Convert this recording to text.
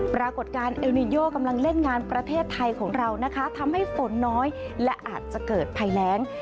ปรากฏการณ์เอลนิโยกำลังเล่นงานประเทศไทยของเรานะคะทำให้ฝนน้อยและอาจจะเกิดภัยแรง